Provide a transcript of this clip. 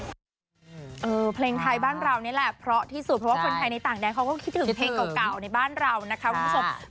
เพลงไทยบ้านเรานี่แหละเพราะที่สุดเพราะว่าคนไทยในต่างแดนเขาก็คิดถึงเพลงเก่าในบ้านเรานะคะคุณผู้ชม